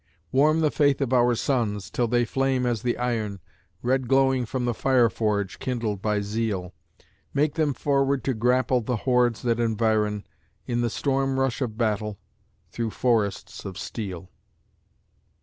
Warm the faith of our sons, till they flame as the iron, Red glowing from the fire forge, kindled by zeal; Make them forward to grapple the hordes that environ, In the storm rush of battle, through forests of steel!